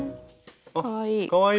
かわいい。